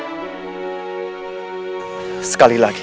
hai sekali lagi